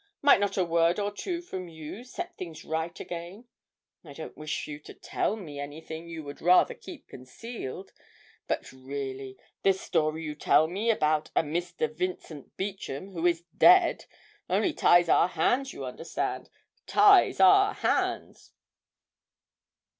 Might not a word or two from you set things right again? I don't wish to force you to tell me anything you would rather keep concealed but really, this story you tell about a Mr. Vincent Beauchamp who is dead only ties our hands, you understand ties our hands!'